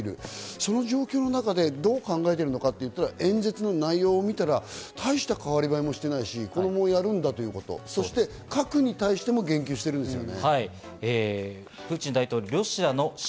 その状況の中で、どう考えているのかといったら、演説の内容を見たら大して代わり映えもしていないし、そして核に対しても言及しているんですよね。